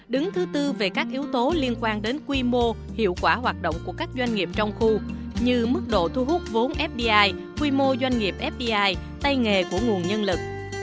đứng thứ tư về các yếu tố liên quan đến quy mô hiệu quả hoạt động của các doanh nghiệp trong khu như mức độ thu hút vốn fdi quy mô doanh nghiệp fdi tay nghề của nguồn nhân lực